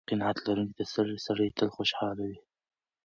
قناعت لرونکی سړی تل خوشحاله وي.